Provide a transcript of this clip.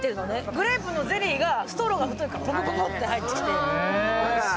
グレープのゼリーが、ストロー太いからガガガって入ってきて。